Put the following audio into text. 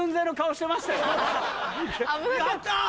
やった！